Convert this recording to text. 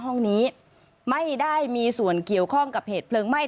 ห้องนี้ไม่ได้มีส่วนเกี่ยวข้องกับเหตุเพลิงไหม้